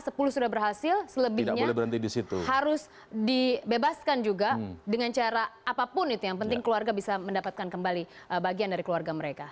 sepuluh sudah berhasil selebihnya harus dibebaskan juga dengan cara apapun itu yang penting keluarga bisa mendapatkan kembali bagian dari keluarga mereka